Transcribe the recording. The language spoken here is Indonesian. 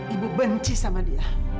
ibu benci sama dia